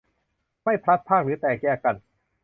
ไม่พลัดพราก หรือแตกแยกกัน